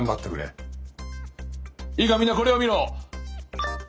いいかみんなこれを見ろ。